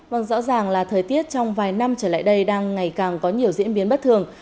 vâng rõ ràng là thời tiết trong vài năm trở lại đây đang ngày càng có nhiều diễn biến bất thường